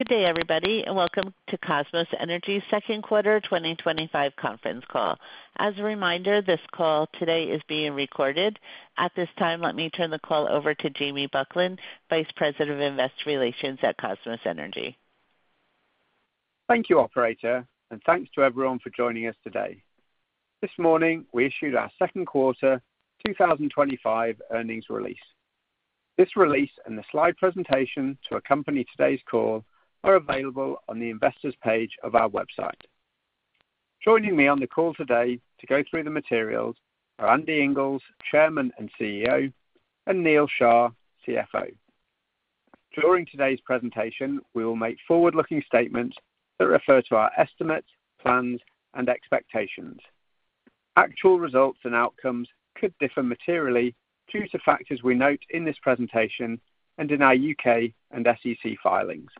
Good day, everybody, and welcome to Kosmos Energy's second quarter 2025 conference call. As a reminder, this call today is being recorded. At this time, let me turn the call over to Jamie Buckland, Vice President of Investor Relations at Kosmos Energy. Thank you, Operator, and thanks to everyone for joining us today. This morning, we issued our second quarter 2025 earnings release. This release and the slide presentation to accompany today's call are available on the Investors' page of our website. Joining me on the call today to go through the materials are Andy Inglis, Chairman and CEO, and Neal Shah, CFO. During today's presentation, we will make forward-looking statements that refer to our estimates, plans, and expectations. Actual results and outcomes could differ materially due to factors we note in this presentation and in our U.K. and SEC filings.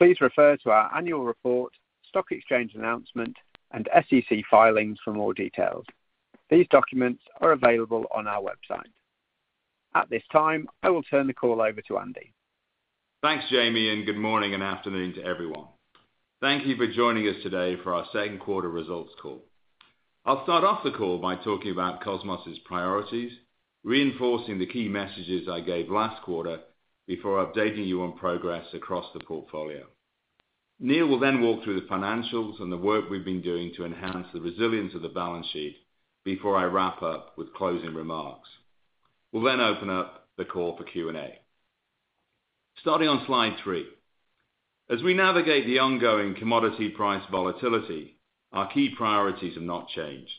Please refer to our annual report, stock exchange announcement, and SEC filings for more details. These documents are available on our website. At this time, I will turn the call over to Andy. Thanks, Jamie, and good morning and afternoon to everyone. Thank you for joining us today for our second quarter results call. I'll start off the call by talking about Kosmos' priorities, reinforcing the key messages I gave last quarter before updating you on progress across the portfolio. Neal will then walk through the financials and the work we've been doing to enhance the resilience of the balance sheet before I wrap up with closing remarks. We'll then open up the call for Q&A. Starting on slide three, as we navigate the ongoing commodity price volatility, our key priorities have not changed.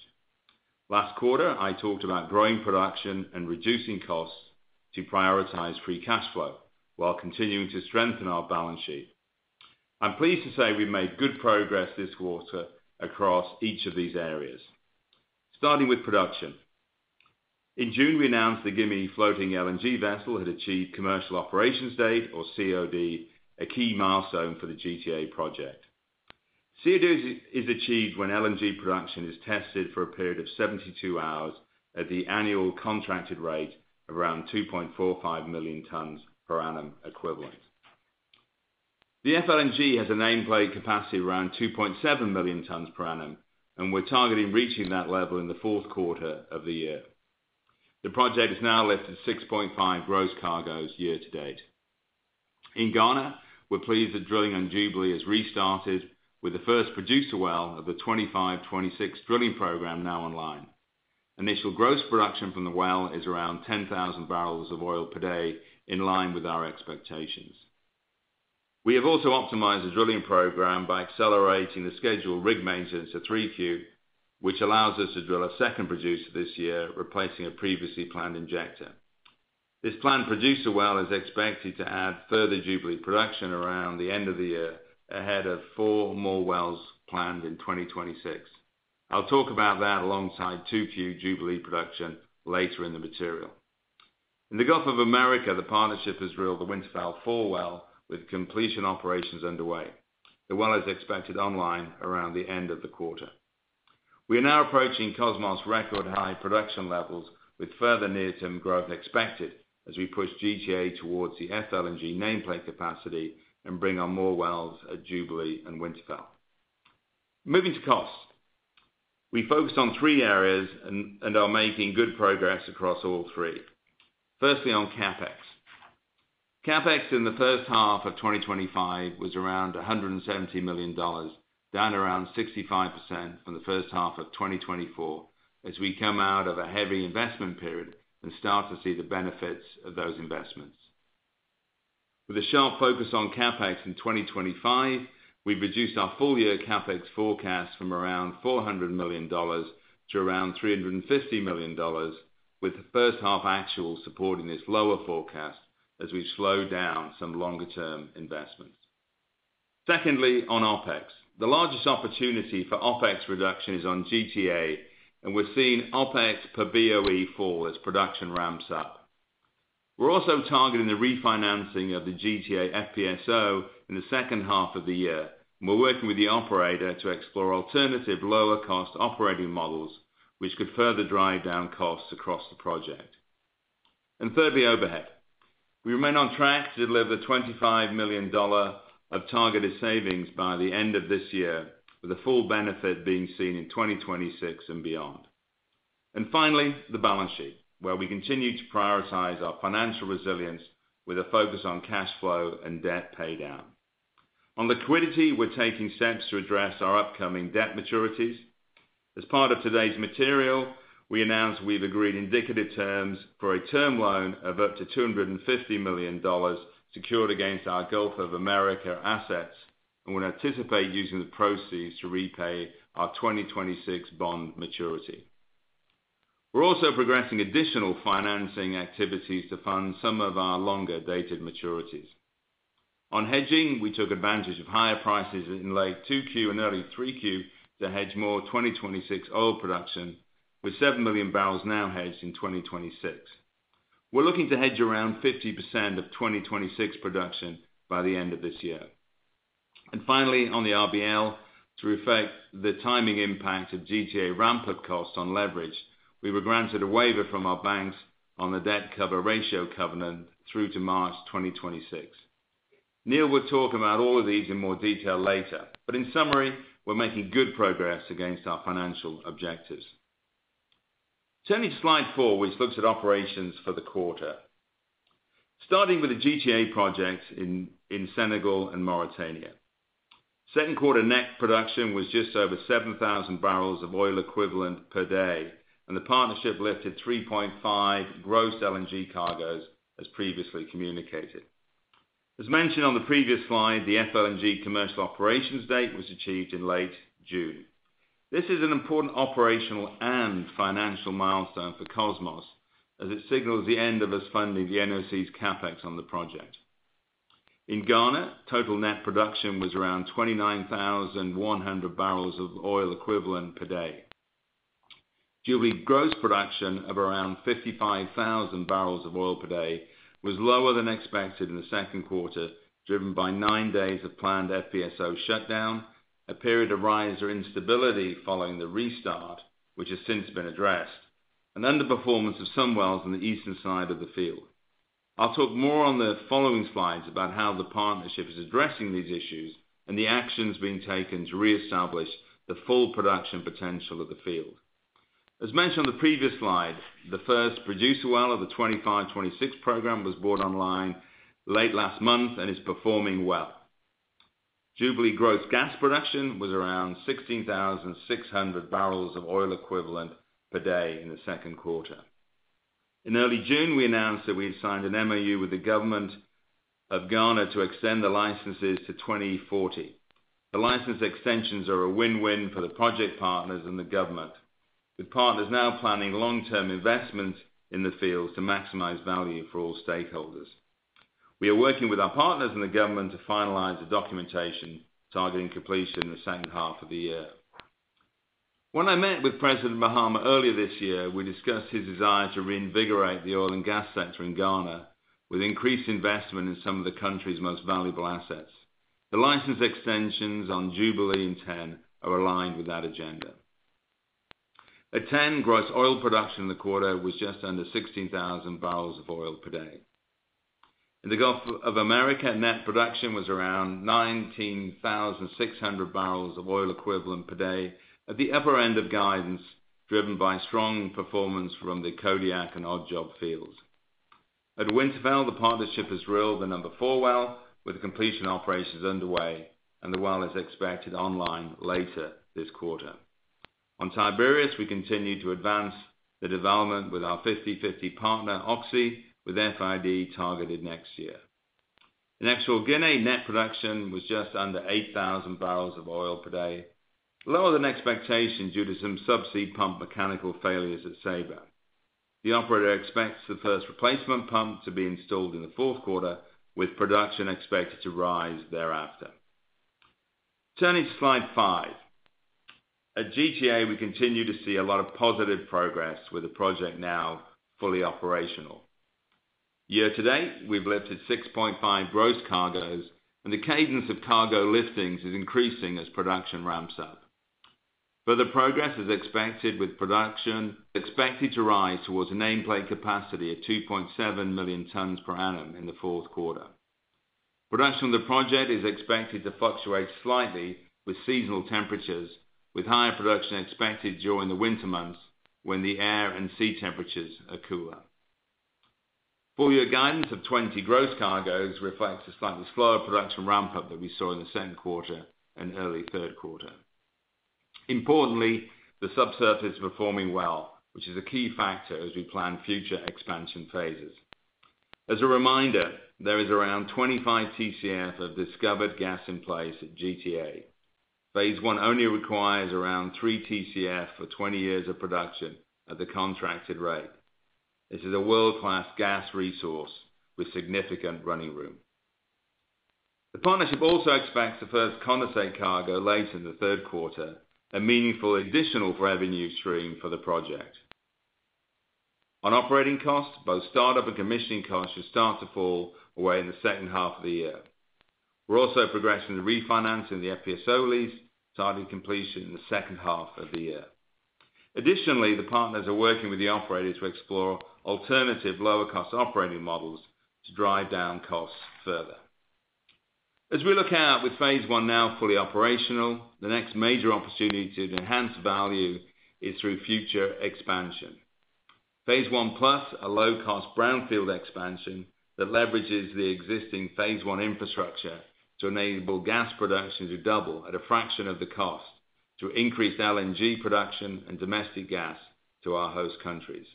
Last quarter, I talked about growing production and reducing costs to prioritize free cash flow while continuing to strengthen our balance sheet. I'm pleased to say we've made good progress this quarter across each of these areas. Starting with production, in June, we announced the Gimi Floating LNG vessel had achieved commercial operations date, or COD, a key milestone for the GTA project. COD is achieved when LNG production is tested for a period of 72 hours at the annual contracted rate of around 2.45 million tons per annum equivalent. The FLNG has a nameplate capacity of around 2.7 million tons per annum, and we're targeting reaching that level in the fourth quarter of the year. The project has now lifted 6.5 gross cargoes year to date. In Ghana, we're pleased that drilling on Jubilee has restarted with the first producer well of the 2025/2026 drilling program now online. Initial gross production from the well is around 10,000 barrels of oil per day, in line with our expectations. We have also optimized the drilling program by accelerating the scheduled rig maintenance to 3Q, which allows us to drill a second producer this year, replacing a previously planned injector. This planned producer well is expected to add further Jubilee production around the end of the year, ahead of four more wells planned in 2026. I'll talk about that alongside 2Q Jubilee production later in the material. In the Gulf of America, the partnership has drilled the Winterfell-4 well with completion operations underway. The well is expected online around the end of the quarter. We are now approaching Kosmos' record high production levels with further near-term growth expected as we push GTA towards the FLNG nameplate capacity and bring on more wells at Jubilee and Winterfell. Moving to cost, we focused on three areas and are making good progress across all three. Firstly, on CapEx. CapEx in the first half of 2025 was around $170 million, down around 65% from the first half of 2024, as we come out of a heavy investment period and start to see the benefits of those investments. With a sharp focus on CapEx in 2025, we've reduced our full-year CapEx forecast from around $400 million to around $350 million, with the first half actuals supporting this lower forecast as we slow down some longer-term investments. Secondly, on OpEx, the largest opportunity for OpEx reduction is on GTA, and we're seeing OpEx per BOE fall as production ramps up. We're also targeting the refinancing of the GTA FPSO in the second half of the year, and we're working with the Operator to explore alternative lower-cost operating models, which could further drive down costs across the project. Thirdly, overhead. We remain on track to deliver the $25 million of targeted savings by the end of this year, with the full benefit being seen in 2026 and beyond. Finally, the balance sheet, where we continue to prioritize our financial resilience with a focus on cash flow and debt paydown. On liquidity, we're taking steps to address our upcoming debt maturities. As part of today's material, we announced we've agreed indicative terms for a term loan of up to $250 million secured against our Gulf of America assets, and we anticipate using the proceeds to repay our 2026 bond maturity. We're also progressing additional financing activities to fund some of our longer-dated maturities. On hedging, we took advantage of higher prices in late 2Q and early 3Q to hedge more 2026 oil production, with 7 million barrels now hedged in 2026. We're looking to hedge around 50% of 2026 production by the end of this year. On the RBL, to reflect the timing impact of GTA ramp-up costs on leverage, we were granted a waiver from our banks on the debt cover ratio covenant through to March 2026. Neal will talk about all of these in more detail later, but in summary, we're making good progress against our financial objectives. Turning to slide four, which looks at operations for the quarter, starting with the GTA project in Senegal and Mauritania. Second quarter net production was just over 7,000 barrels of oil equivalent per day, and the partnership lifted 3.5 gross LNG cargoes, as previously communicated. As mentioned on the previous slide, the FLNG commercial operations date was achieved in late June. This is an important operational and financial milestone for Kosmos, as it signals the end of us funding the NOC's CapEx on the project. In Ghana, total net production was around 29,100 barrels of oil equivalent per day. Jubilee gross production of around 55,000 barrels of oil per day was lower than expected in the second quarter, driven by nine days of planned FPSO shutdown, a period of riser instability following the restart, which has since been addressed, and underperformance of some wells on the eastern side of the field. I'll talk more on the following slides about how the partnership is addressing these issues and the actions being taken to reestablish the full production potential of the field. As mentioned on the previous slide, the first producer well of the 25/26 program was brought online late last month and is performing well. Jubilee gross gas production was around 16,600 barrels of oil equivalent per day in the second quarter. In early June, we announced that we've signed an MOU with the government of Ghana to extend the licenses to 2040. The license extensions are a win-win for the project partners and the government, with partners now planning long-term investments in the fields to maximize value for all stakeholders. We are working with our partners and the government to finalize the documentation targeting completion in the second half of the year. When I met with President Mahama earlier this year, we discussed his desire to reinvigorate the oil and gas sector in Ghana, with increased investment in some of the country's most valuable assets. The license extensions on Jubilee and TEN are aligned with that agenda. At TEN, gross oil production in the quarter was just under 16,000 barrels of oil per day. In the Gulf of America, net production was around 19,600 barrels of oil equivalent per day, at the upper end of guidance, driven by strong performance from the Kodiak and Odd Job fields. At Winterfell, the partnership has drilled the number four well, with completion operations underway, and the well is expected online later this quarter. On Tiberius, we continue to advance the development with our 50/50 partner, OXY, with FID targeted next year. In Equatorial Guinea, net production was just under 8,000 barrels of oil per day, lower than expectation due to some subsea pump mechanical failures at Sabre. The operator expects the first replacement pump to be installed in the fourth quarter, with production expected to rise thereafter. Turning to slide five, at GTA, we continue to see a lot of positive progress with the project now fully operational. Year to date, we've lifted 6.5 gross cargoes, and the cadence of cargo liftings is increasing as production ramps up. Further progress is expected with production expected to rise towards a nameplate capacity of 2.7 million tons per annum in the fourth quarter. Production of the project is expected to fluctuate slightly with seasonal temperatures, with higher production expected during the winter months when the air and sea temperatures are cooler. Four-year guidance of 20 gross cargoes reflects a slightly slower production ramp-up than we saw in the second quarter and early third quarter. Importantly, the subsurface is performing well, which is a key factor as we plan future expansion phases. As a reminder, there is around 25 TCF of discovered gas in place at GTA. Phase I only requires around 3 TCF for 20 years of production at the contracted rate. This is a world-class gas resource with significant running room. The partnership also expects the first condensate cargo late in the third quarter, a meaningful additional revenue stream for the project. On operating costs, both start-up and commissioning costs should start to fall away in the second half of the year. We're also progressing the refinancing of the FPSO lease, targeting completion in the second half of the year. Additionally, the partners are working with the Operator to explore alternative lower-cost operating models to drive down costs further. As we look out with phase I now fully operational, the next major opportunity to enhance value is through future expansion. Phase I plus, a low-cost brownfield expansion that leverages the existing phase I infrastructure to enable gas production to double at a fraction of the cost, to increase LNG production and domestic gas to our host countries.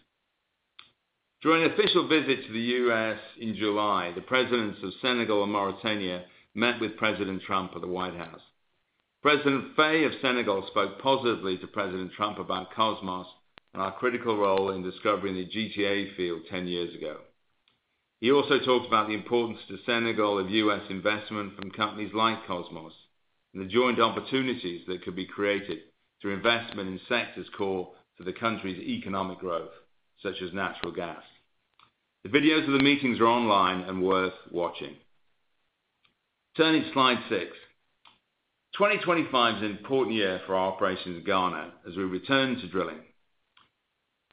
During an official visit to the U.S. in July, the presidents of Senegal and Mauritania met with President Trump at the White House. President Faye of Senegal spoke positively to President Trump about Kosmos and our critical role in discovering the GTA field 10 years ago. He also talked about the importance to Senegal of U.S. investment from companies like Kosmos and the joint opportunities that could be created through investment in sectors core to the country's economic growth, such as natural gas. The videos of the meetings are online and worth watching. Turning to slide six, 2025 is an important year for our operations in Ghana as we return to drilling.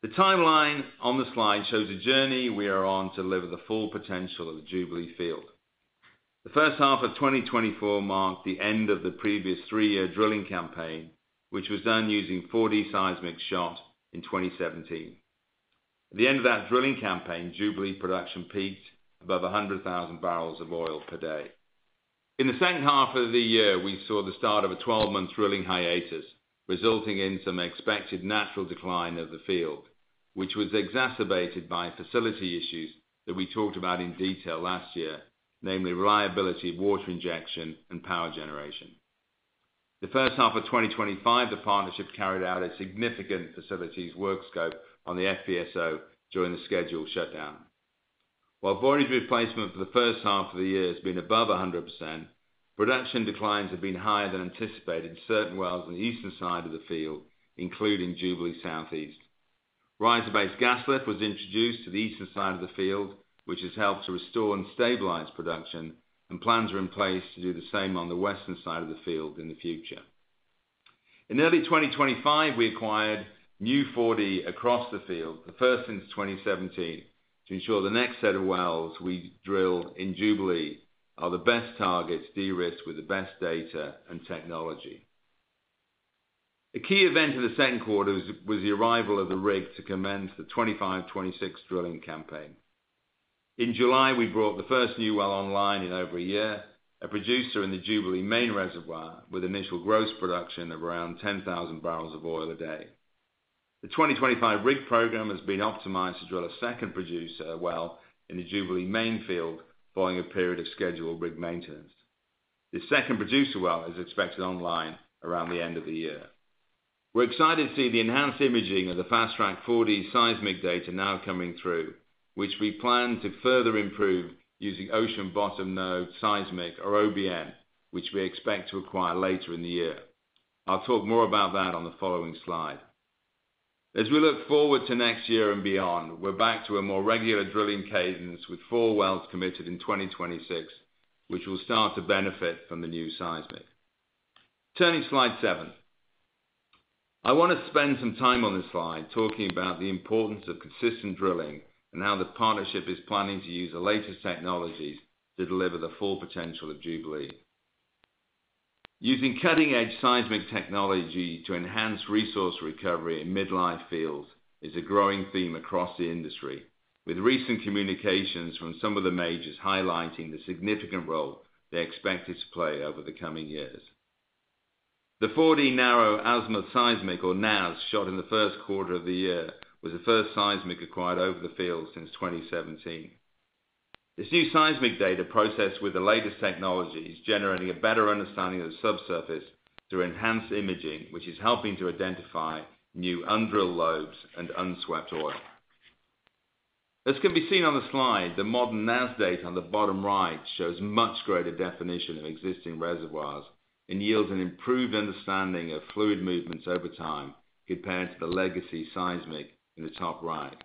The timeline on the slide shows a journey we are on to deliver the full potential of the Jubilee field. The first half of 2024 marked the end of the previous three-year drilling campaign, which was done using 4D seismic shots in 2017. At the end of that drilling campaign, Jubilee production peaked above 100,000 barrels of oil per day. In the second half of the year, we saw the start of a 12-month drilling hiatus, resulting in some expected natural decline of the field, which was exacerbated by facility issues that we talked about in detail last year, namely reliability of water injection and power generation. The first half of 2025, the partnership carried out a significant facilities work scope on the FPSO during the scheduled shutdown. While void replacement for the first half of the year has been above 100%, production declines have been higher than anticipated in certain wells on the eastern side of the field, including Jubilee Southeast. Riser-based gas lift was introduced to the eastern side of the field, which has helped to restore and stabilize production, and plans are in place to do the same on the western side of the field in the future. In early 2025, we acquired new 4D across the field, the first since 2017, to ensure the next set of wells we drill in Jubilee are the best targets de-risked with the best data and technology. A key event in the second quarter was the arrival of the rig to commence the 2025/2026 drilling campaign. In July, we brought the first new well online in over a year, a producer in the Jubilee main reservoir with initial gross production of around 10,000 barrels of oil a day. The 2025 rig program has been optimized to drill a second producer well in the Jubilee main field following a period of scheduled rig maintenance. The second producer well is expected online around the end of the year. We're excited to see the enhanced imaging of the fast track 4D seismic data now coming through, which we plan to further improve using ocean-bottom node seismic or OBN, which we expect to acquire later in the year. I'll talk more about that on the following slide. As we look forward to next year and beyond, we're back to a more regular drilling cadence with four wells committed in 2026, which will start to benefit from the new seismic. Turning to slide seven, I want to spend some time on this slide talking about the importance of consistent drilling and how the partnership is planning to use the latest technologies to deliver the full potential of Jubilee. Using cutting-edge seismic technology to enhance resource recovery in mid-life fields is a growing theme across the industry, with recent communications from some of the majors highlighting the significant role they're expected to play over the coming years. The 4D narrow-azimuth seismic, or NAZ, shot in the first quarter of the year was the first seismic acquired over the field since 2017. This new seismic data processed with the latest technology is generating a better understanding of the subsurface through enhanced imaging, which is helping to identify new undrilled lobes and unswept oil. As can be seen on the slide, the modern NAZ data on the bottom right shows much greater definition of existing reservoirs and yields an improved understanding of fluid movements over time compared to the legacy seismic in the top right.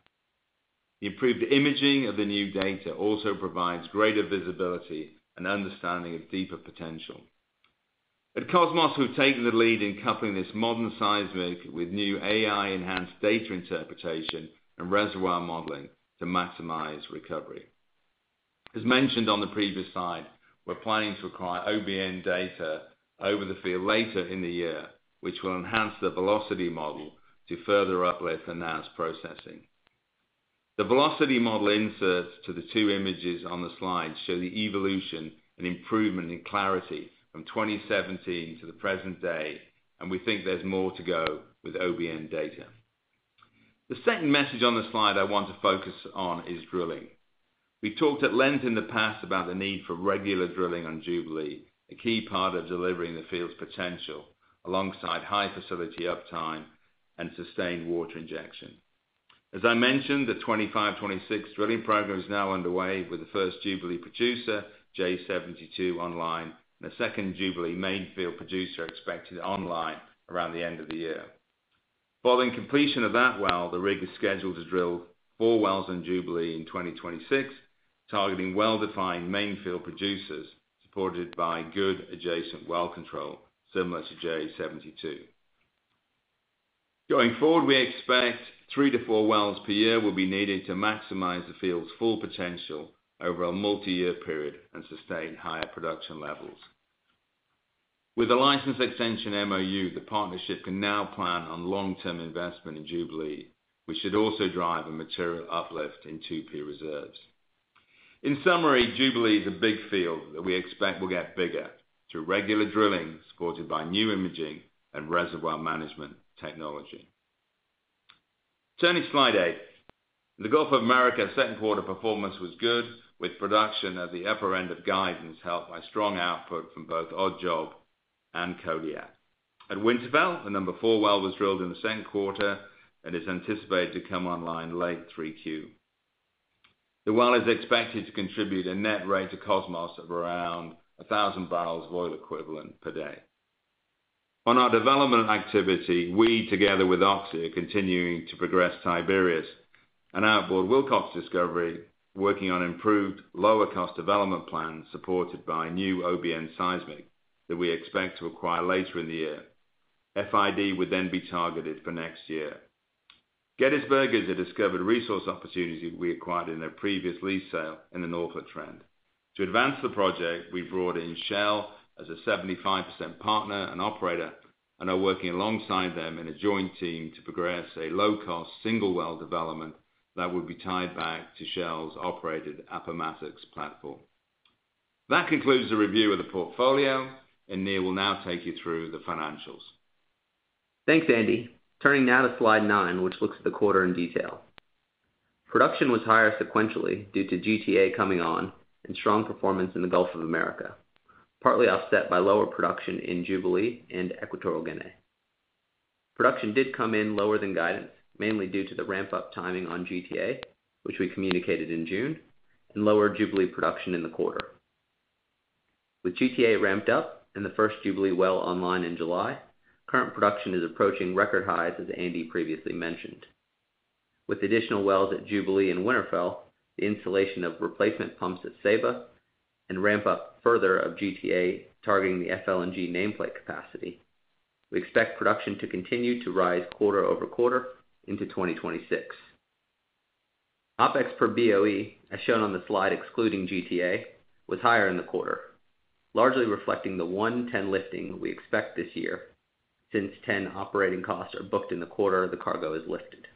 The improved imaging of the new data also provides greater visibility and understanding of deeper potential. At Kosmos, we've taken the lead in coupling this modern seismic with new AI-driven reservoir modeling to maximize recovery. As mentioned on the previous slide, we're planning to acquire OBN data over the field later in the year, which will enhance the velocity model to further uplift the NAZ's processing. The velocity model inserts to the two images on the slide show the evolution and improvement in clarity from 2017 to the present day, and we think there's more to go with OBN data. The second message on the slide I want to focus on is drilling. We talked at length in the past about the need for regular drilling on Jubilee, a key part of delivering the field's potential alongside high facility uptime and sustained water injection. As I mentioned, the 2025/2026 drilling program is now underway with the first Jubilee producer, J-72, online, and a second Jubilee main field producer expected online around the end of the year. Following completion of that well, the rig is scheduled to drill four wells on Jubilee in 2026, targeting well-defined main field producers supported by good adjacent well control, similar to J-72. Going forward, we expect three to four wells per year will be needed to maximize the field's full potential over a multi-year period and sustain higher production levels. With a license extension MOU, the partnership can now plan on long-term investment in Jubilee, which should also drive a material uplift in 2P reserves. In summary, Jubilee is a big field that we expect will get bigger through regular drilling supported by new imaging and reservoir management technology. Turning to slide eight, in the Gulf of America, second quarter performance was good, with production at the upper end of guidance helped by strong output from both Odd Job and Kodiak. At Winterfell, the number four well was drilled in the same quarter and is anticipated to come online late 3Q. The well is expected to contribute a net rate to Kosmos of around 1,000 barrels of oil equivalent per day. On our development activity, we together with OXY are continuing to progress Tiberius and outboard Wilcox Discovery, working on improved lower-cost development plans supported by new OBN seismic that we expect to acquire later in the year. FID would then be targeted for next year. Gettysburg is a discovered resource opportunity that we acquired in a previous lease sale in the Norfolk Trend. To advance the project, we brought in Shell as a 75% partner and operator and are working alongside them in a joint team to progress a low-cost single well development that will be tied back to Shell's operated Appomattox platform. That concludes the review of the portfolio, and Neal will now take you through the financials. Thanks, Andy. Turning now to slide nine, which looks at the quarter in detail. Production was higher sequentially due to GTA coming on and strong performance in the Gulf of America, partly offset by lower production in Jubilee and Equatorial Guinea. Production did come in lower than guidance, mainly due to the ramp-up timing on GTA, which we communicated in June, and lower Jubilee production in the quarter. With GTA ramped up and the first Jubilee well online in July, current production is approaching record highs, as Andy previously mentioned. With additional wells at Jubilee and Winterfell, the installation of replacement pumps at Sabre, and ramp-up further of GTA targeting the FLNG nameplate capacity, we expect production to continue to rise quarter-over-quarter into 2026. OpEx per BOE, as shown on the slide excluding GTA, was higher in the quarter, largely reflecting the one-time lifting that we expect this year since TEN operating costs are booked in the quarter the cargo is lifted.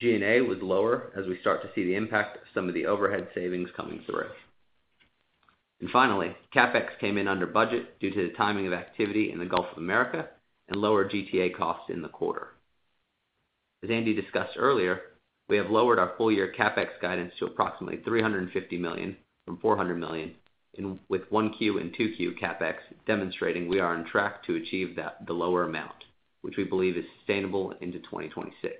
G&A was lower as we start to see the impact of some of the overhead savings coming through. Finally, CapEx came in under budget due to the timing of activity in the Gulf of America and lower GTA costs in the quarter. As Andy discussed earlier, we have lowered our full-year CapEx guidance to approximately $350 million from $400 million, with 1Q and 2Q CapEx demonstrating we are on track to achieve the lower amount, which we believe is sustainable into 2026.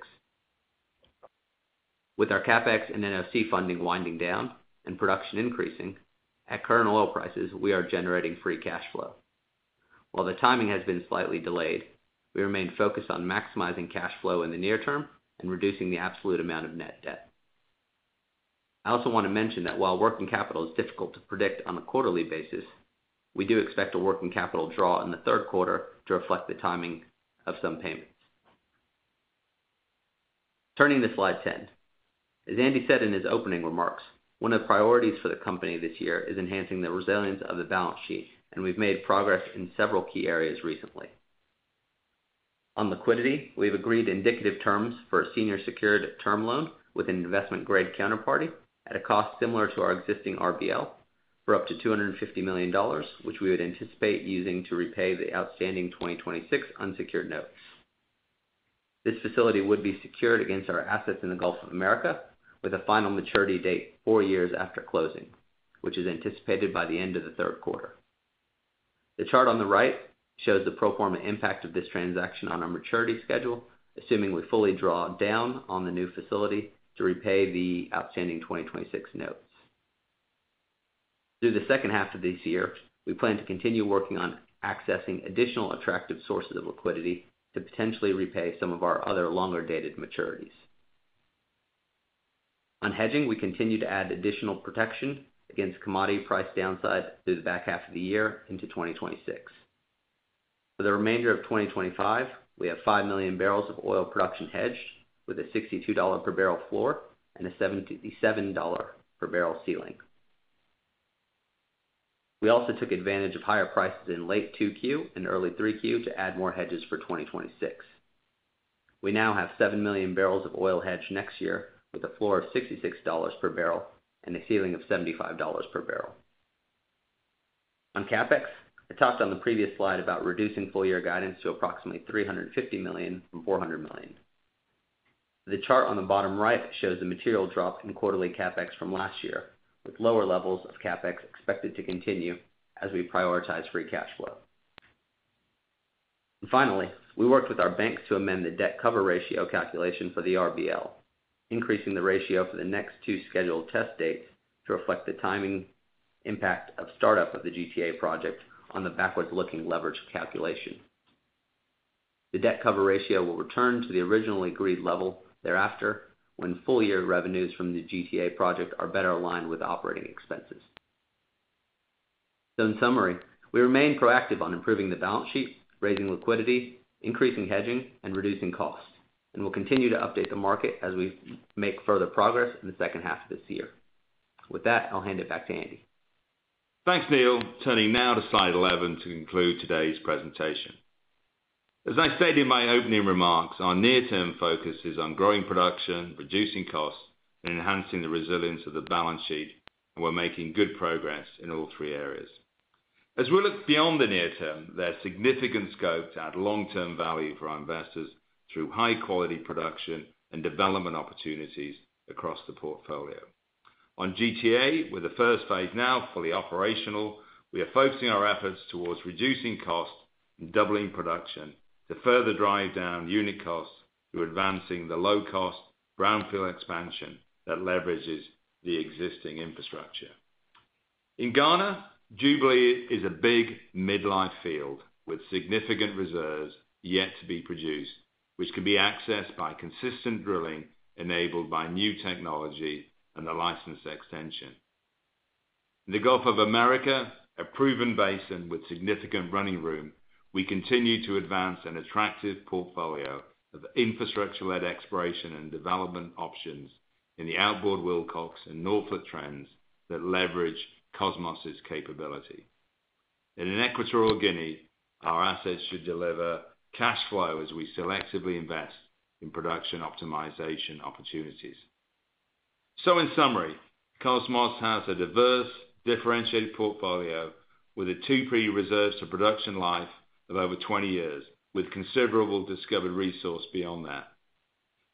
With our CapEx and NOC funding winding down and production increasing, at current oil prices, we are generating free cash flow. While the timing has been slightly delayed, we remain focused on maximizing cash flow in the near term and reducing the absolute amount of net debt. I also want to mention that while working capital is difficult to predict on a quarterly basis, we do expect a working capital draw in the third quarter to reflect the timing of some payments. Turning to slide 10, as Andy said in his opening remarks, one of the priorities for the company this year is enhancing the resilience of the balance sheet, and we've made progress in several key areas recently. On liquidity, we've agreed indicative terms for a senior secured term loan with an investment-grade counterparty at a cost similar to our existing RBL for up to $250 million, which we would anticipate using to repay the outstanding 2026 unsecured notes. This facility would be secured against our assets in the Gulf of America with a final maturity date four years after closing, which is anticipated by the end of the third quarter. The chart on the right shows the pro forma impact of this transaction on our maturity schedule, assuming we fully draw down on the new facility to repay the outstanding 2026 notes. Through the second half of this year, we plan to continue working on accessing additional attractive sources of liquidity to potentially repay some of our other longer-dated maturities. On hedging, we continue to add additional protection against commodity price downside through the back half of the year into 2026. For the remainder of 2025, we have 5 million barrels of oil production hedged with a $62 per barrel floor and a $77 per barrel ceiling. We also took advantage of higher prices in late 2Q and early 3Q to add more hedges for 2026. We now have 7 million barrels of oil hedged next year with a floor of $66 per barrel and a ceiling of $75 per barrel. On CapEx, I talked on the previous slide about reducing full-year guidance to approximately $350 million from $400 million. The chart on the bottom right shows the material drop in quarterly CapEx from last year, with lower levels of CapEx expected to continue as we prioritize free cash flow. Finally, we worked with our banks to amend the debt cover ratio calculation for the RBL, increasing the ratio for the next two scheduled test dates to reflect the timing impact of start-up of the GTA project on the backwards-looking leverage calculation. The debt cover ratio will return to the originally agreed level thereafter when full-year revenues from the GTA project are better aligned with operating expenses. In summary, we remain proactive on improving the balance sheet, raising liquidity, increasing hedging, and reducing costs, and we'll continue to update the market as we make further progress in the second half of this year. With that, I'll hand it back to Andy. Thanks, Neal. Turning now to slide 11 to conclude today's presentation. As I said in my opening remarks, our near-term focus is on growing production, reducing costs, and enhancing the resilience of the balance sheet, and we're making good progress in all three areas. As we look beyond the near term, there's significant scope to add long-term value for our investors through high-quality production and development opportunities across the portfolio. On GTA, with the first phase now fully operational, we are focusing our efforts towards reducing costs and doubling production to further drive down unit costs through advancing the low-cost brownfield expansion that leverages the existing infrastructure. In Ghana, Jubilee is a big mid-life field with significant reserves yet to be produced, which can be accessed by consistent drilling enabled by new technology and the license extension. In the Gulf of America, a proven basin with significant running room, we continue to advance an attractive portfolio of infrastructure-led exploration and development options in the outboard Wilcox and Norfolk Trends that leverage Kosmos' capability. In Equatorial Guinea, our assets should deliver cash flow as we selectively invest in production optimization opportunities. In summary, Kosmos has a diverse, differentiated portfolio with a 2P reserves to production life of over 20 years, with considerable discovered resource beyond that.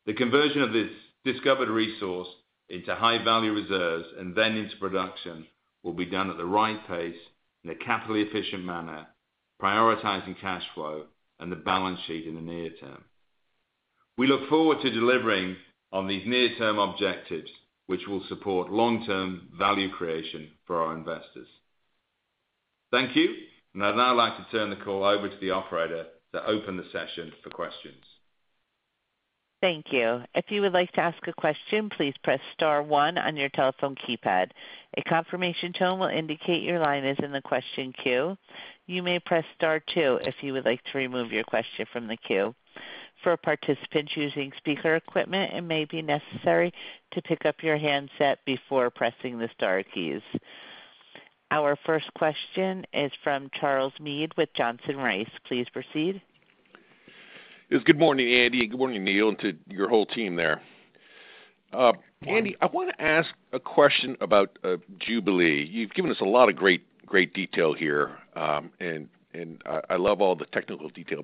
The conversion of its discovered resource into high-value reserves and then into production will be done at the right pace in a capitally efficient manner, prioritizing cash flow and the balance sheet in the near term. We look forward to delivering on these near-term objectives, which will support long-term value creation for our investors. Thank you, and I'd now like to turn the call over to the Operator to open the session for questions. Thank you. If you would like to ask a question, please press star one on your telephone keypad. A confirmation tone will indicate your line is in the question queue. You may press star two if you would like to remove your question from the queue. For participants using speaker equipment, it may be necessary to pick up your handset before pressing the star keys. Our first question is from Charles Meade with Johnson Rice. Please proceed. Yes, good morning, Andy. Good morning, Neal, and to your whole team there. Andy, I want to ask a question about Jubilee. You've given us a lot of great, great detail here, and I love all the technical detail.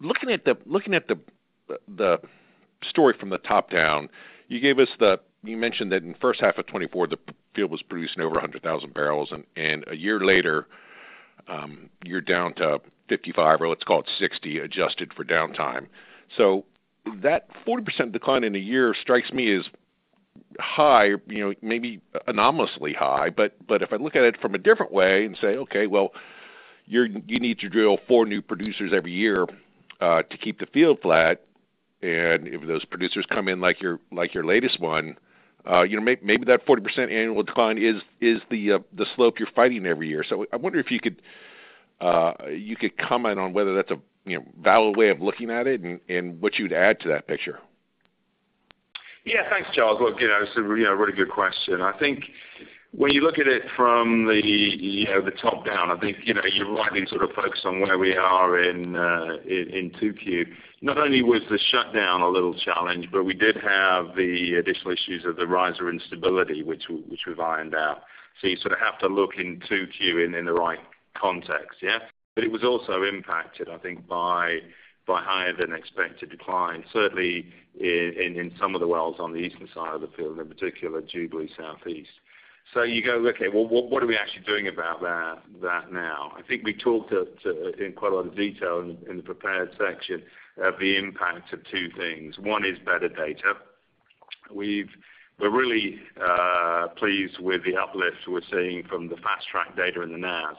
Looking at the story from the top down, you mentioned that in the first half of 2024, the field was producing over 100,000 barrels, and a year later, you're down to 55, or let's call it 60, adjusted for downtime. That 40% decline in a year strikes me as high, maybe anomalously high, but if I look at it from a different way and say, okay, you need to drill four new producers every year to keep the field flat, and if those producers come in like your latest one, maybe that 40% annual decline is the slope you're fighting every year. I wonder if you could comment on whether that's a valid way of looking at it and what you'd add to that picture. Yeah, thanks, Charles. It's a really good question. I think when you look at it from the top down, you're rightly sort of focused on where we are in 2Q. Not only was the shutdown a little challenged, but we did have the additional issues of the riser instability, which was ironed out. You sort of have to look in 2Q in the right context, yeah? It was also impacted, I think, by higher than expected decline, certainly in some of the wells on the eastern side of the field, and in particular, Jubilee Southeast. You go, okay, what are we actually doing about that now? I think we talked in quite a lot of detail in the prepared section of the impact of two things. One is better data. We're really pleased with the uplift we're seeing from the fast track data in the NAZs.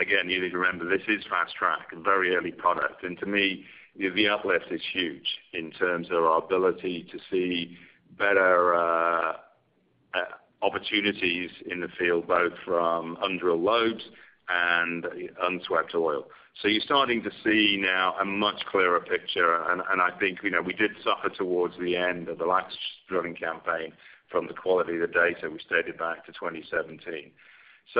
Again, you need to remember this is fast track, a very early product. To me, the uplift is huge in terms of our ability to see better opportunities in the field, both from undrilled loads and unswept oil. You're starting to see now a much clearer picture. I think we did suffer towards the end of the last drilling campaign from the quality of the data we stated back to 2017.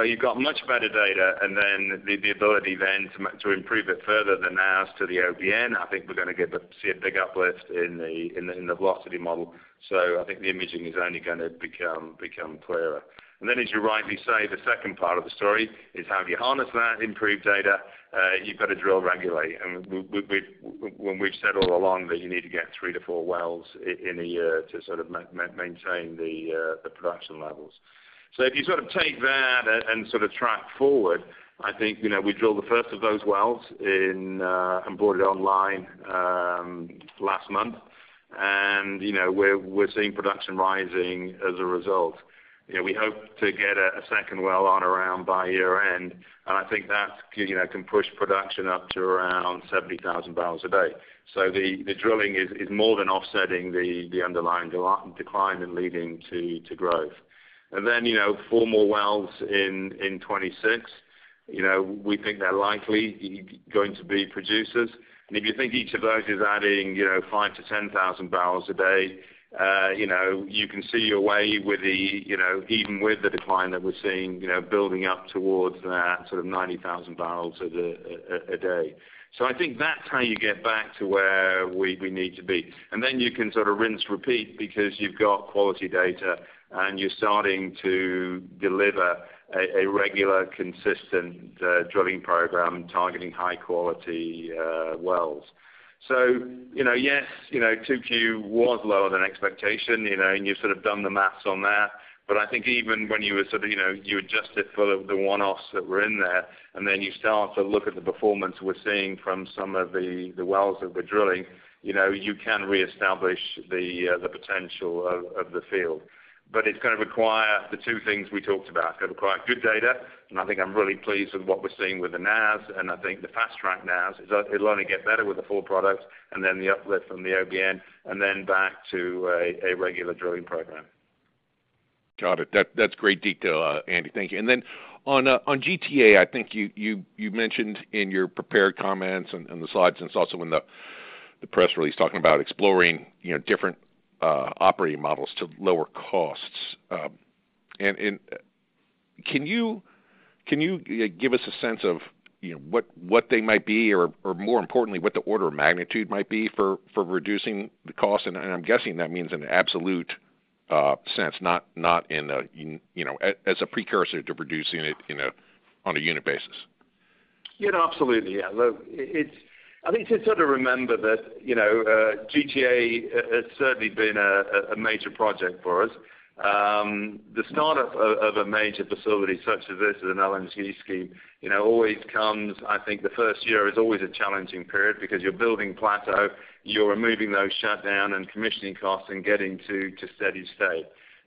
You've got much better data, and then the ability then to improve it further than NAZs to the OBN. I think we're going to get to see a big uplift in the velocity model. I think the imaging is only going to become clearer. As you rightly say, the second part of the story is how do you harness that improved data? You've got to drill regularly. When we've said all along that you need to get three to four wells in a year to sort of maintain the production levels. If you sort of take that and sort of track forward, I think we drilled the first of those wells in and brought it online last month. We're seeing production rising as a result. We hope to get a second well on around by year-end. I think that can push production up to around 70,000 barrels a day. The drilling is more than offsetting the underlying decline and leading to growth. Four more wells in 2026, we think they're likely going to be producers. If you think each of those is adding five to ten thousand barrels a day, you can see your way with the, even with the decline that we're seeing, building up towards that sort of 90,000 barrels a day. I think that's how you get back to where we need to be. You can sort of rinse repeat because you've got quality data and you're starting to deliver a regular, consistent drilling program targeting high-quality wells. Yes, 2Q was lower than expectation, and you've sort of done the maths on that. I think even when you adjust it for the one-offs that were in there, and then you start to look at the performance we're seeing from some of the wells that we're drilling, you can reestablish the potential of the field. It's going to require the two things we talked about. It's going to require good data, and I think I'm really pleased with what we're seeing with the NAZs. I think the fast track NAZs, it'll only get better with the full product and then the uplift from the OBN and then back to a regular drilling program. Got it. That's great detail, Andy. Thank you. On GTA, I think you mentioned in your prepared comments and the slides and also in the press release talking about exploring different operating models to lower costs. Can you give us a sense of what they might be or, more importantly, what the order of magnitude might be for reducing the cost? I'm guessing that means in an absolute sense, not as a precursor to reducing it on a unit basis. Yeah, absolutely. I think it's just sort of remember that, you know, the GTA project has certainly been a major project for us. The start-up of a major facility such as this is an LNG scheme. You know, always comes, I think the first year is always a challenging period because you're building plateau, you're removing those shutdown and commissioning costs and getting to steady state.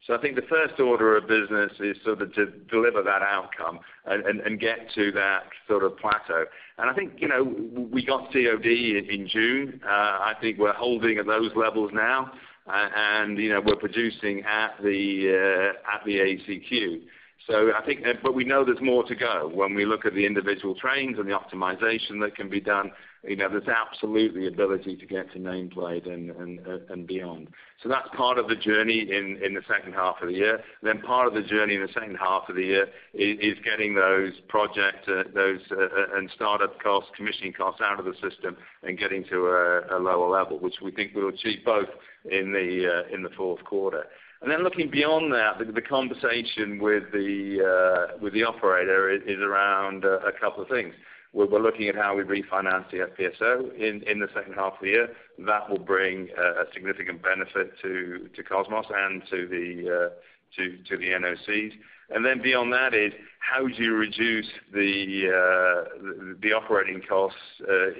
I think the first order of business is sort of to deliver that outcome and get to that sort of plateau. I think, you know, we got to COD in June. I think we're holding at those levels now, and, you know, we're producing at the ACQ. I think, but we know there's more to go when we look at the individual trains and the optimization that can be done, you know, that's absolutely the ability to get to nameplate and beyond. That's part of the journey in the second half of the year. Part of the journey in the second half of the year is getting those projects and start-up costs, commissioning costs out of the system and getting to a lower level, which we think we'll achieve both in the fourth quarter. Looking beyond that, the conversation with the Operator is around a couple of things. We're looking at how we refinance the FPSO in the second half of the year. That will bring a significant benefit to Kosmos and to the NOCs. Beyond that is how do you reduce the operating costs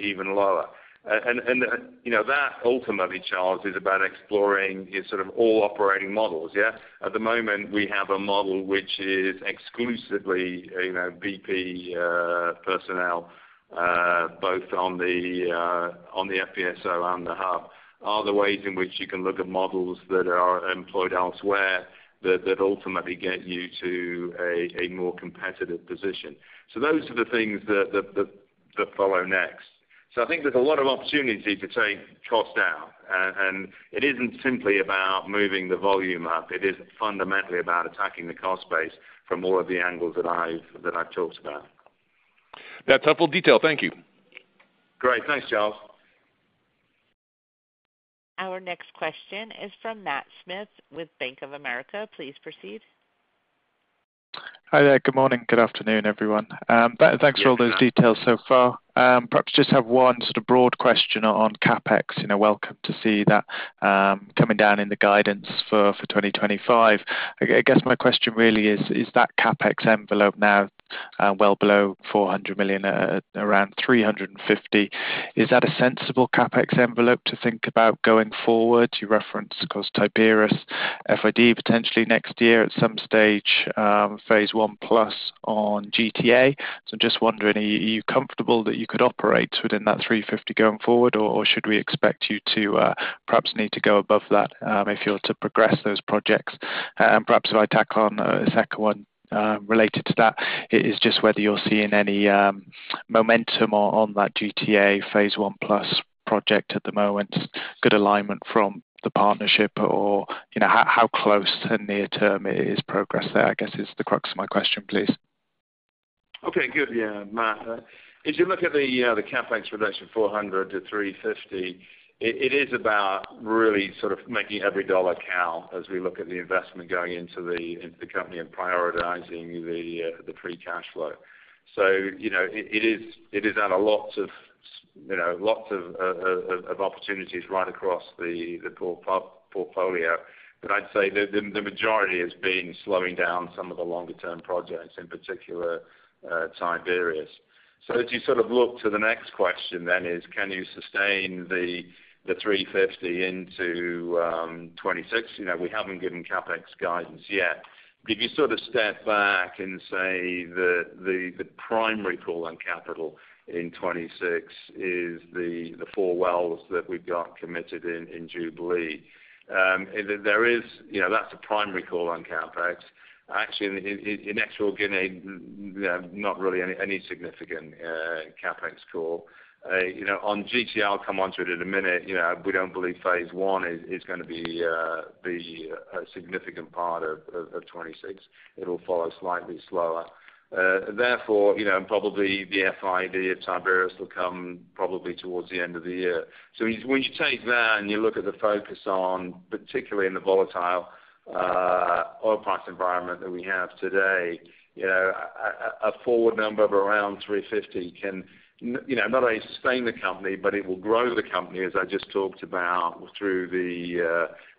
even lower? You know, that ultimately charges about exploring sort of all operating models, yeah? At the moment, we have a model which is exclusively, you know, BP personnel, both on the FPSO and the hub. Other ways in which you can look at models that are employed elsewhere that ultimately get you to a more competitive position. Those are the things that follow next. I think there's a lot of opportunity to take costs out. It isn't simply about moving the volume up. It is fundamentally about attacking the cost base from all of the angles that I've talked about. That's helpful detail. Thank you. Great. Thanks, Charles. Our next question is from Matt Smith with Bank of America. Please proceed. Hi there. Good morning. Good afternoon, everyone. Thanks for all those details so far. Perhaps just have one sort of broad question on CapEx. Welcome to see that coming down in the guidance for 2025. I guess my question really is, is that CapEx envelope now well below $400 million, around $350 million? Is that a sensible CapEx envelope to think about going forward? You referenced, of course, Tiberius, FID potentially next year at some stage, phase I plus on GTA. I'm just wondering, are you comfortable that you could operate within that $350 million going forward, or should we expect you to perhaps need to go above that if you're to progress those projects? Perhaps if I tack on a second one related to that, it is just whether you're seeing any momentum on that GTA phase I plus project at the moment, good alignment from the partnership, or you know how close and near-term is progress there? I guess is the crux of my question, please. Okay, good. Yeah, Matt. If you look at the CapEx relation [$400 million to $350 million], it is about really sort of making every dollar count as we look at the investment going into the company and prioritizing the free cash flow. It is at a lot of, you know, lots of opportunities right across the portfolio. I'd say the majority has been slowing down some of the longer-term projects, in particular Tiberius. As you sort of look to the next question, then is can you sustain the $350 into 2026? We haven't given CapEx guidance yet. If you sort of step back and say that the primary call on capital in 2026 is the four wells that we've got committed in Jubilee, that's a primary call on CapEx. Actually, in Equatorial Guinea, not really any significant CapEx call. On GTA, I'll come onto it in a minute. We don't believe phase I is going to be a significant part of 2026. It'll follow slightly slower. Therefore, probably the FID of Tiberius will come probably towards the end of the year. When you take that and you look at the focus on particularly in the volatile oil price environment that we have today, a forward number of around $350 can not only sustain the company, but it will grow the company, as I just talked about, through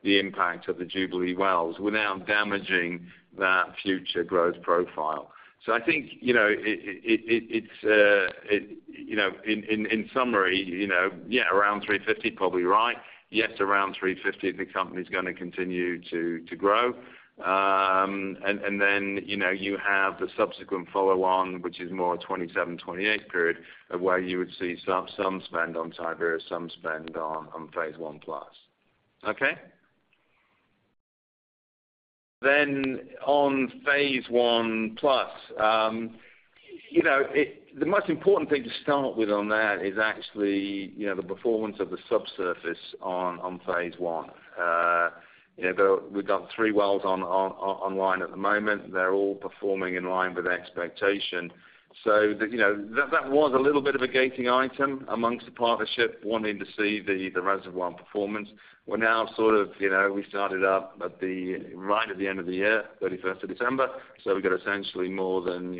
the impact of the Jubilee wells without damaging that future growth profile. I think, in summary, yeah, around $350 probably right. Yes, around $350, the company's going to continue to grow. You have the subsequent follow-on, which is more a 2027-2028 period of where you would see some spend on Tiberius, some spend on phase I plus. On phase I plus, the most important thing to start with on that is actually the performance of the subsurface on phase I. We've got three wells online at the moment. They're all performing in line with expectation. That was a little bit of a gating item amongst the partnership wanting to see the reservoir performance. We're now sort of, we started up at the right at the end of the year, 31st of December. We've got essentially more than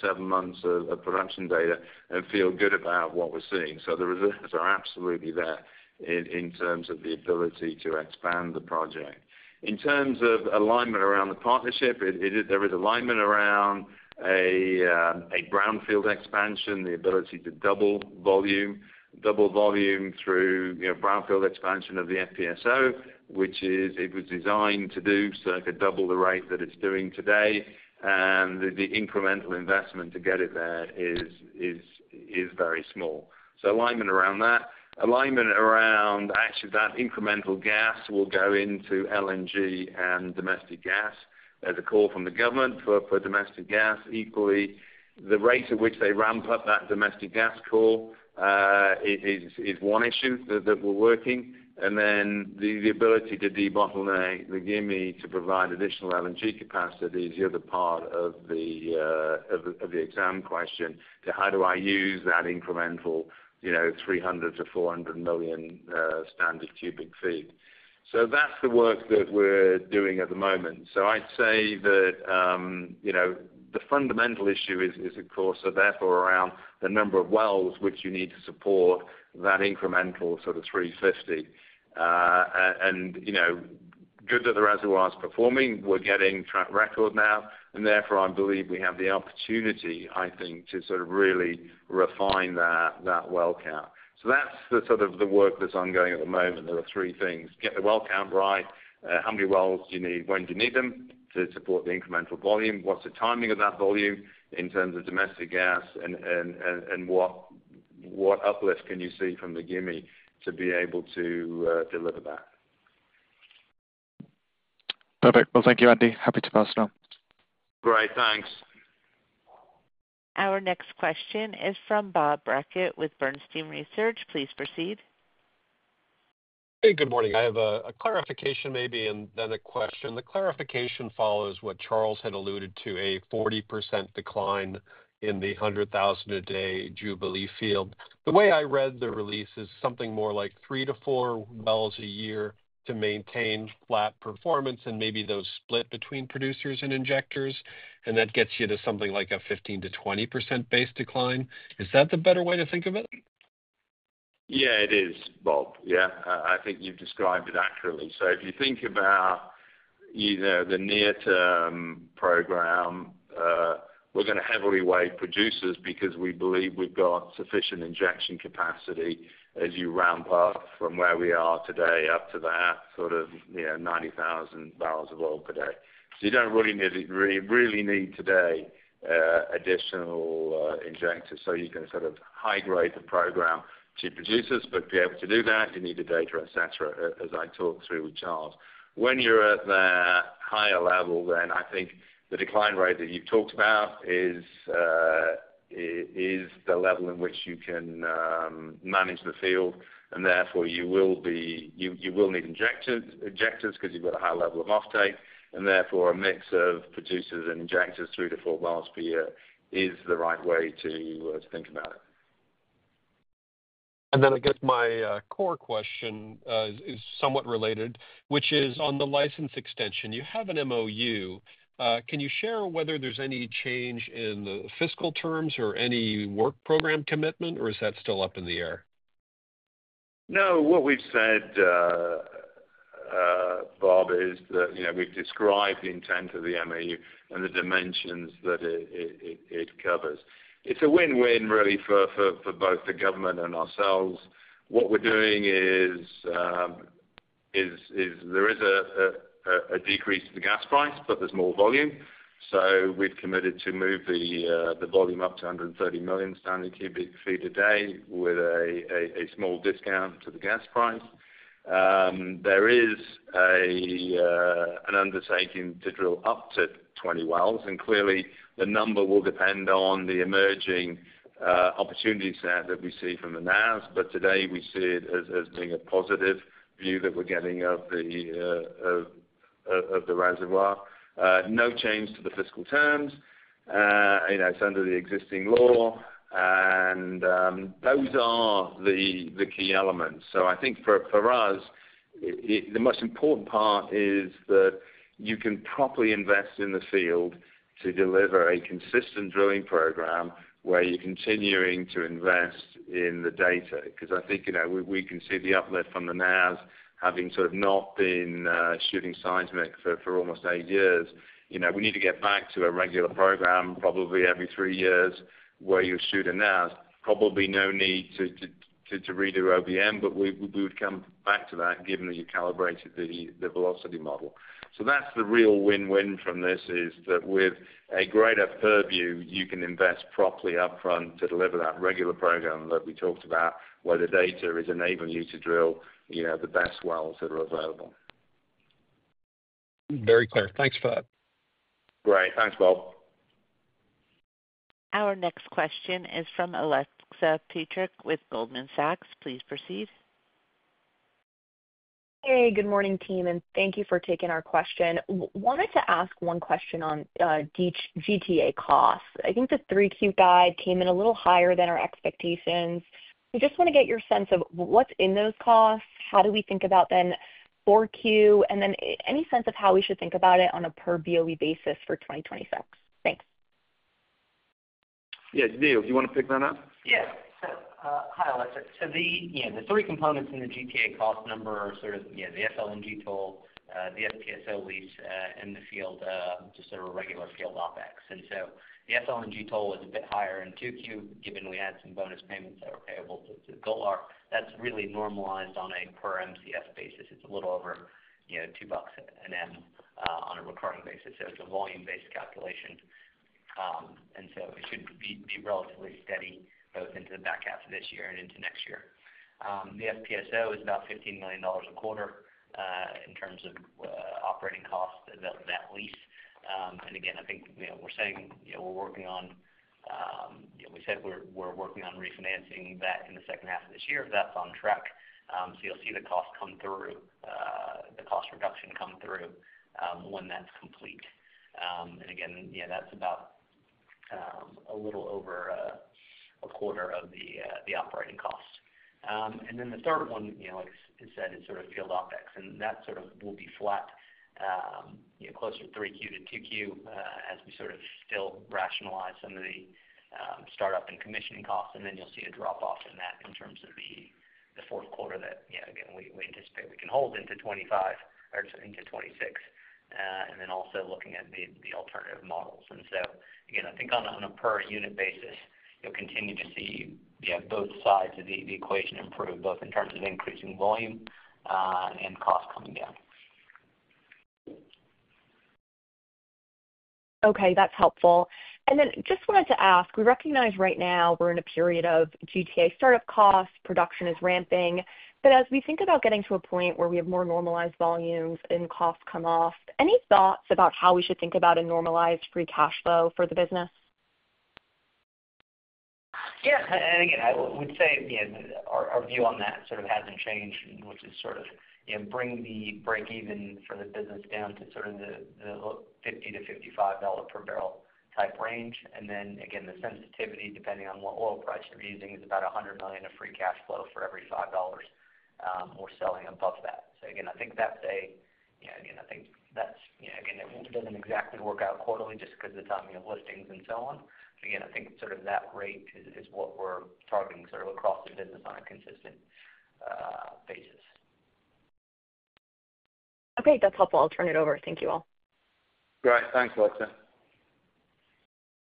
seven months of production data and feel good about what we're seeing. The reserves are absolutely there in terms of the ability to expand the project. In terms of alignment around the partnership, there is alignment around a brownfield expansion, the ability to double volume, double volume through, you know, brownfield expansion of the FPSO, which is it was designed to do so it could double the rate that it's doing today. The incremental investment to get it there is very small. Alignment around that. Alignment around actually that incremental gas will go into LNG and domestic gas. There's a call from the government for domestic gas. Equally, the rate at which they ramp up that domestic gas call is one issue that we're working. The ability to de-bottle the Gimi to provide additional LNG capacity is the other part of the exam question to how do I use that incremental, you know, 300 million to 400 million standard cubic ft. That's the work that we're doing at the moment. I'd say that, you know, the fundamental issue is, of course, therefore around the number of wells which you need to support that incremental sort of 350. You know, good that the reservoir is performing. We're getting track record now. Therefore, I believe we have the opportunity, I think, to sort of really refine that well count. That's the sort of the work that's ongoing at the moment. There are three things. Get the well count right. How many wells do you need? When do you need them to support the incremental volume? What's the timing of that volume in terms of domestic gas? What uplift can you see from the Gimi to be able to deliver that. Perfect. Thank you, Andy. Happy to pass it on. Great. Thanks. Our next question is from Bob Brackett with Bernstein Research. Please proceed. Hey, good morning. I have a clarification maybe and then a question. The clarification follows what Charles had alluded to, a 40% decline in the 100,000 a day Jubilee field. The way I read the release is something more like three to four wells a year to maintain flat performance, and maybe those split between producers and injectors. That gets you to something like a 15% to 20% base decline. Is that the better way to think of it? Yeah, it is, Bob. I think you've described it accurately. If you think about the near-term program, we're going to heavily weigh producers because we believe we've got sufficient injection capacity as you ramp up from where we are today up to that sort of 90,000 barrels of oil per day. You don't really need additional injectors today. You can sort of high grade the program to producers, but to be able to do that, you need data, et cetera, as I talked through with Charles. When you're at that higher level, I think the decline rate that you've talked about is the level in which you can manage the field. Therefore, you will need injectors because you've got a high level of offtake. A mix of producers and injectors, three to four per year, is the right way to think about it. I guess my core question is somewhat related, which is on the license extension. You have an MOU. Can you share whether there's any change in the fiscal terms or any work program commitment, or is that still up in the air? No. What we've said, Bob, is that we've described the intent of the license extension MOU and the dimensions that it covers. It's a win-win, really, for both the government and ourselves. What we're doing is there is a decrease to the gas price, but there's more volume. We've committed to move the volume up to 130 million standard cubic ft a day with a small discount to the gas price. There is an undertaking to drill up to 20 wells. Clearly, the number will depend on the emerging opportunities there that we see from the NAZs. Today, we see it as being a positive view that we're getting of the reservoir. No change to the fiscal terms. It's under the existing law. Those are the key elements. I think for us, the most important part is that you can properly invest in the field to deliver a consistent drilling program where you're continuing to invest in the data. I think we can see the uplift from the NAZs having sort of not been shooting seismic for almost eight years. We need to get back to a regular program probably every three years where you're shooting NAZs. Probably no need to redo OBN, but we would come back to that given that you calibrated the velocity model. That's the real win-win from this, that with a greater purview, you can invest properly upfront to deliver that regular program that we talked about, where the data is enabling you to drill the best wells that are available. Very clear. Thanks [for help] Great. Thanks, Bob. Our next question is from Alexa Petrick with Goldman Sachs. Please proceed. Hey, good morning, team, and thank you for taking our question. Wanted to ask one question on GTA costs. I think the 3Q guide came in a little higher than our expectations. We just want to get your sense of what's in those costs, how do we think about them for Q, and then any sense of how we should think about it on a per BOE basis for 2026. Thanks. Yeah, Neal, do you want to pick that up? Yeah. Hi, Alexa. The three components in the GTA cost number are the FLNG toll, the FPSO lease in the field, and just regular field OpEx. The FLNG toll was a bit higher in 2Q given we had some bonus payments that were payable to the Golar. That's really normalized on a per MCF basis. It's a little over $2 and M on a recurring basis. It's a volume-based calculation, so it should be relatively steady both into the back half of this year and into next year. The FPSO is about $15 million a quarter in terms of operating costs of that lease. We're working on refinancing that in the second half of this year on that fund track. You'll see the cost reduction come through when that's complete. That's about a little over a quarter of the operating costs. The third one, like I said, is field OpEx, and that will be flat, closer to 3Q to 2Q as we still rationalize some of the start-up and commissioning costs. You'll see a drop-off in that in the fourth quarter that we anticipate we can hold into 2025 or into 2026. We're also looking at the alternative models. On a per unit basis, you'll continue to see both sides of the equation improve, both in terms of increasing volume and costs coming down. Okay, that's helpful. I just wanted to ask, we recognize right now we're in a period of GTA start-up costs, production is ramping. As we think about getting to a point where we have more normalized volumes and costs come off, any thoughts about how we should think about a normalized free cash flow for the business? I would say our view on that sort of hasn't changed, which is bring the break-even for the business down to the $50-$55 per barrel type range. The sensitivity, depending on what oil price you're using, is about $100 million of free cash flow for every $5 we're selling above that. I think that doesn't exactly work out quarterly just because of the timing of listings and so on. I think that rate is what we're targeting across the business on a consistent basis. Okay, that's helpful. I'll turn it over. Thank you all. All right. Thanks, Alexa Petrick.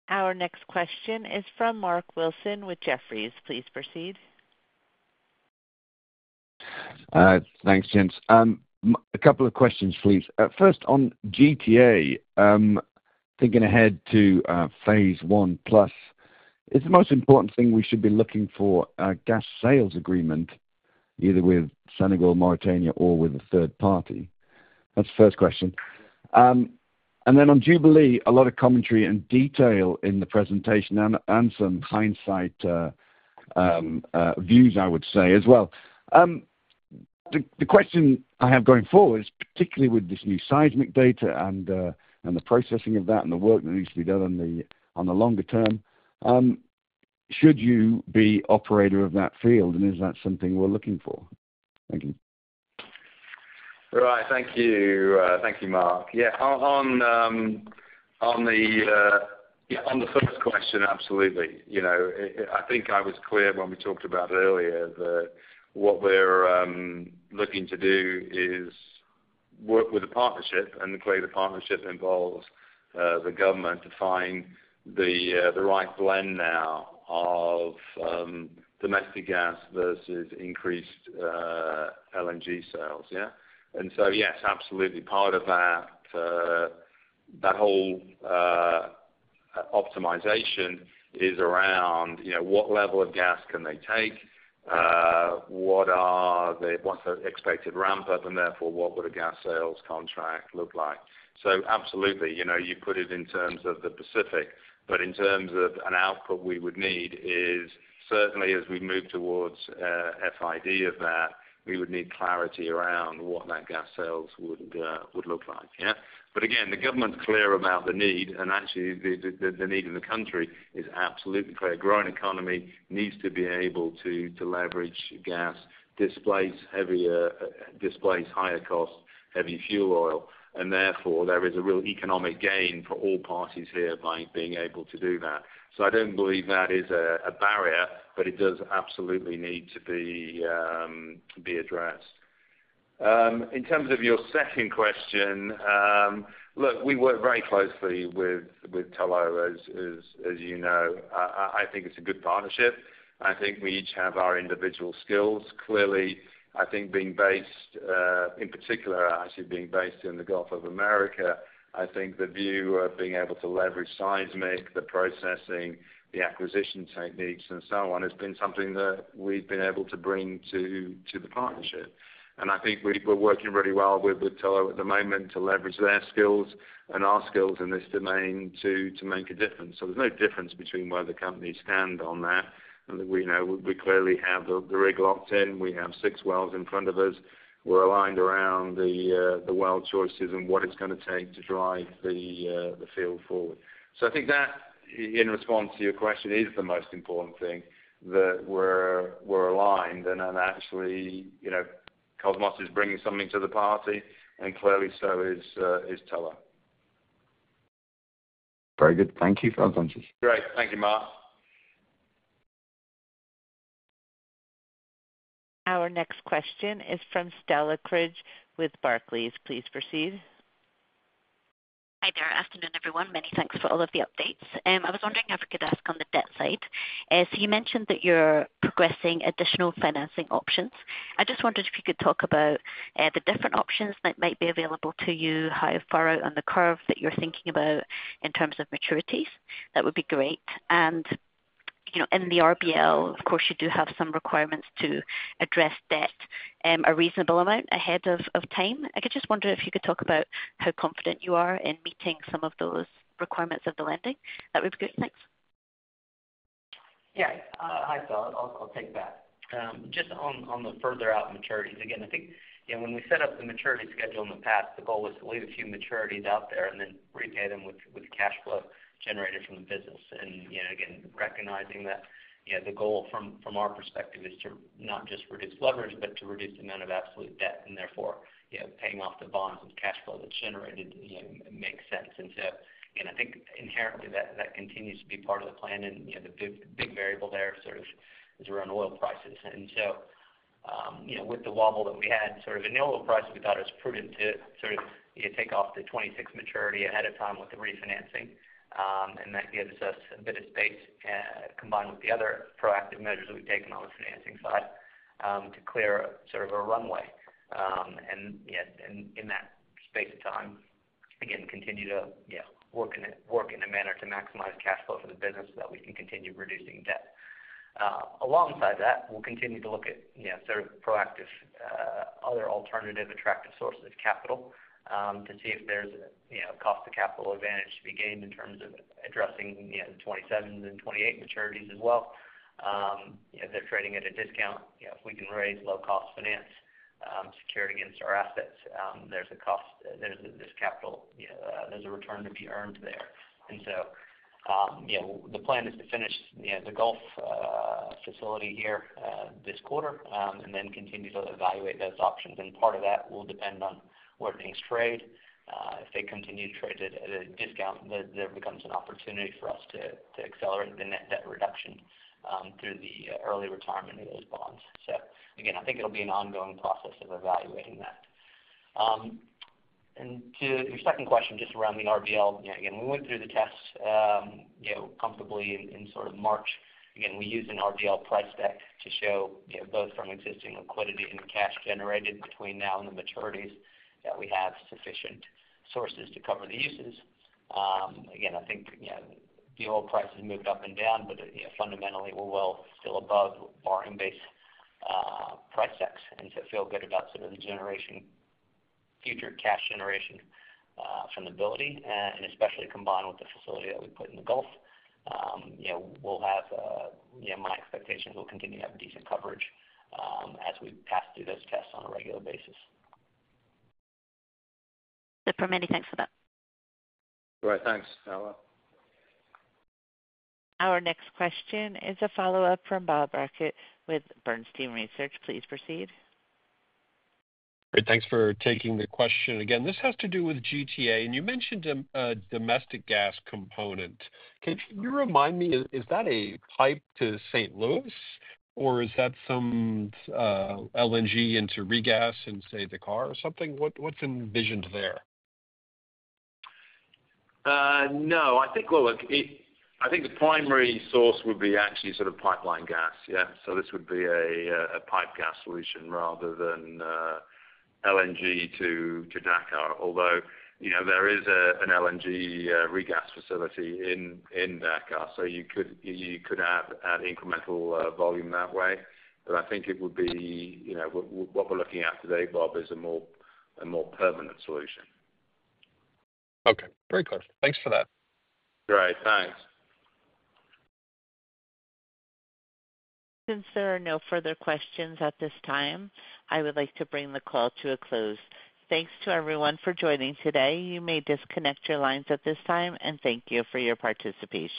Our next question is from Mark Wilson with Jefferies. Please proceed. Thanks, Jamie. A couple of questions, please. First, on GTA, thinking ahead to phase I plus, is the most important thing we should be looking for a gas sales agreement either with Senegal or Mauritania or with a third party? That's the first question. Then on Jubilee, a lot of commentary and detail in the presentation and some hindsight views, I would say, as well. The question I have going forward is particularly with this new seismic data and the processing of that and the work that needs to be done on the longer term. Should you be operator of that field, and is that something we're looking for? Thank you. Right. Thank you. Thank you, Mark. Yeah, on the first question, absolutely. I think I was clear when we talked about earlier that what we're looking to do is work with a partnership. Clearly, the partnership involves the government to find the right blend now of domestic gas versus increased LNG sales, yeah? Yes, absolutely. Part of that whole optimization is around what level of gas can they take, what are the expected ramp-up, and therefore, what would a gas sales contract look like? Absolutely, you put it in terms of the Pacific. In terms of an output, we would need, certainly as we move towards FID of that, we would need clarity around what that gas sales would look like, yeah? Again, the government's clear about the need, and actually, the need in the country is absolutely clear. Growing economy needs to be able to leverage gas, displace heavier, displace higher costs, heavy fuel oil. Therefore, there is a real economic gain for all parties here by being able to do that. I don't believe that is a barrier, but it does absolutely need to be addressed. In terms of your second question, look, we work very closely with Tullow, as you know. I think it's a good partnership. I think we each have our individual skills. Clearly, I think being based, in particular, actually being based in the Gulf of America, I think the view of being able to leverage seismic, the processing, the acquisition techniques, and so on has been something that we've been able to bring to the partnership. I think we're working really well with Tullow at the moment to leverage their skills and our skills in this domain to make a difference. There's no difference between where the companies stand on that. We know we clearly have the rig locked in. We have six wells in front of us. We're aligned around the well choices and what it's going to take to drive the field forward. I think that, in response to your question, is the most important thing that we're aligned. Actually, Kosmos is bringing something to the party, and clearly so is Tullow. Very good. Thank you for your attention. Great. Thank you, Mark. Our next question is from Stella Cridge with Barclays. Please proceed. Hi there. Afternoon, everyone. Many thanks for all of the updates. I was wondering if I could ask on the debt side. You mentioned that you're progressing additional financing options. I just wondered if you could talk about the different options that might be available to you, how far out on the curve that you're thinking about in terms of maturities. That would be great. In the RBL, of course, you do have some requirements to address debt a reasonable amount ahead of time. I just wonder if you could talk about how confident you are in meeting some of those requirements of the lending. That would be great. Thanks. Yeah. Hi, Stella. I'll take that. Just on the further out maturities, I think, you know, when we set up the maturity schedule in the past, the goal was to leave a few maturities out there and then repay them with cash flow generated from the business. You know, again, recognizing that the goal from our perspective is to not just reduce leverage, but to reduce the amount of absolute debt. Therefore, paying off the bonds with cash flow that's generated makes sense. I think inherently that continues to be part of the plan. The big variable there is around oil prices. With the wobble that we had in the oil price, we thought it was prudent to take off the 2026 maturity ahead of time with the refinancing. That gives us a bit of space, combined with the other proactive measures that we've taken on the financing side, to clear a runway. In that space of time, continue to work in a manner to maximize cash flow for the business so that we can continue reducing debt. Alongside that, we'll continue to look at proactive other alternative attractive sources of capital to see if there's a cost-to-capital advantage to be gained in terms of addressing the 2027 and 2028 maturities as well. They're trading at a discount. If we can raise low-cost finance, security against our assets, there's a cost, there's capital, there's a return to be earned there. The plan is to finish the Gulf facility here this quarter and then continue to evaluate those options. Part of that will depend on where things trade. If they continue to trade at a discount, there becomes an opportunity for us to accelerate the net debt reduction through the early retirement of the eight bonds. I think it'll be an ongoing process of evaluating that. To your second question, just around the RBL, we went through the tests comfortably in March. We use an RBL price deck to show, both from existing liquidity and the cash generated between now and the maturities, that we have sufficient sources to cover the uses. I think the oil price has moved up and down, but fundamentally, we're still above our in-base price sets. I feel good about some of the generation, future cash generation from the ability, and especially combined with the facility that we put in the Gulf. We'll have, my expectations will continue to have, a decent coverage as we pass through those tests on a regular basis. Super, many thanks for that. All right. Thanks, Stella. Our next question is a follow-up from Bob Brackett with Bernstein Research. Please proceed. Great. Thanks for taking the question. This has to do with GTA, and you mentioned a domestic gas component. Can you remind me, is that a pipe to St. Louis, or is that some LNG into re-gas in, say, the car or something? What's envisioned there? I think the primary source would be actually sort of pipeline gas, yeah? This would be a pipe gas solution rather than LNG to Dakar, although, you know, there is an LNG re-gas facility in Daka]. You could add incremental volume that way. I think it would be, you know, what we're looking at today, Bob, is a more permanent solution. Okay. Very clear. Thanks for that. Great. Thanks. Since there are no further questions at this time, I would like to bring the call to a close. Thanks to everyone for joining today. You may disconnect your lines at this time, and thank you for your participation.